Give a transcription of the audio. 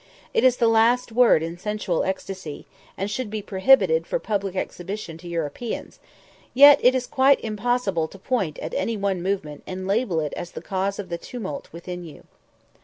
It is the last word in sensual ecstasy, and should be prohibited for public exhibition to Europeans, yet it is quite impossible to point at any one movement and label it as the cause of the tumult within you.